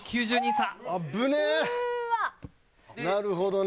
なるほどね。